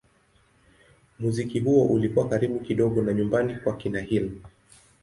Muziki huo ulikuwa karibu kidogo na nyumbani kwa kina Hill.